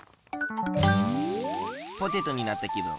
ポテトになったきぶん。